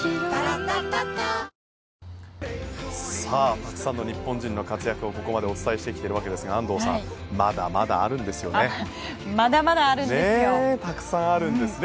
たくさんの日本人の活躍をお伝えしてきていますが安藤さんまだまだあるんですよね。